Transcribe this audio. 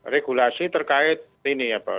regulasi terkait ini ya pak